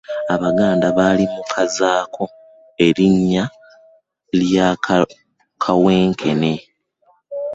Abaganda baalli baamukazaako erinnya erya "Kawenkene".